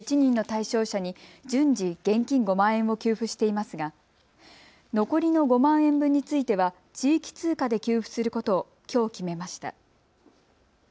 こうした中、大多喜町では９４１人の対象者に順次、現金５万円を給付していますが残りの５万円分については地域通貨で給付することをきょう、決めました。